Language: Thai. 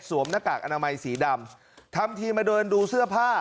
หน้ากากอนามัยสีดำทำทีมาเดินดูเสื้อผ้า